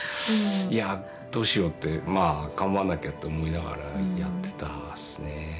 いやどうしようって頑張らなきゃって思いながらやっていたですね。